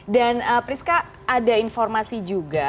dan priska ada informasi juga